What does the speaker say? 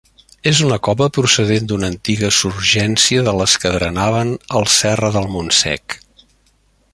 És una cova procedent d'una antiga surgència de les que drenaven el Serra del Montsec.